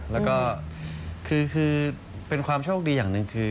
แล้วก็คือเป็นความโชคดีอย่างหนึ่งคือ